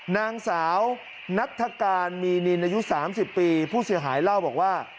นางสาวนัฐการมีนินอายุ๓๐ปีผู้เสียหายเล่าบอกว่า